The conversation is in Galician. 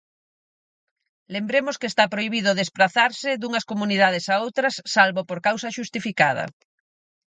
Lembremos que está prohibido desprazarse dunhas comunidades a outras salvo por causa xustificada.